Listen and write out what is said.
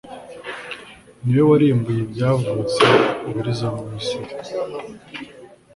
ni we warimbuye ibyavutse uburiza mu misiri